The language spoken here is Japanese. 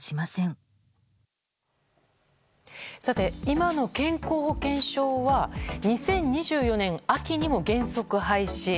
今の健康保険証は２０２４年秋にも原則廃止。